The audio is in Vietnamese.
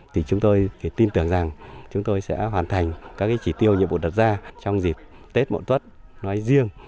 thì chúng tôi tin tưởng rằng chúng tôi sẽ hoàn thành các chỉ tiêu nhiệm vụ đặt ra trong dịp tết mộ tốt nói riêng